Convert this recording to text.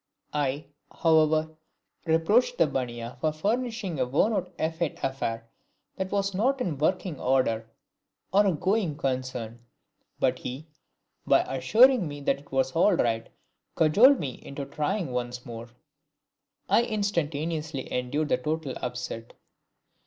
I, however, reproached the bunniah for furnishing a worn out effete affair that was not in working order or a going concern, but he, by assuring me that it was all right, cajoled me into trying once more. [Illustration: "I INSTANTANEOUSLY ENDURED THE TOTAL UPSET!"